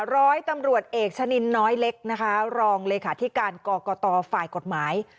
ร้อยตำรวจเอกชะนินน้อยเล็กนะคะรองเลขาธิการกรกตฝ่ายกฎหมาย